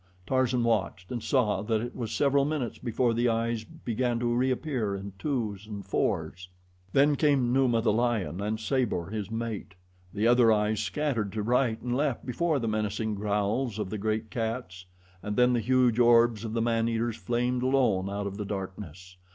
Tarzan watched and saw that it was several minutes before the eyes began to reappear in twos and fours. Then came Numa, the lion, and Sabor, his mate. The other eyes scattered to right and left before the menacing growls of the great cats, and then the huge orbs of the man eaters flamed alone out of the darkness.